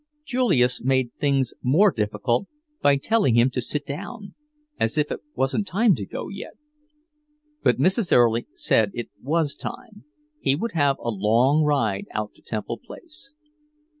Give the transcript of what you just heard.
Julius made things more difficult by telling him to sit down, as it wasn't time to go yet. But Mrs. Erlich said it was time; he would have a long ride out to Temple Place.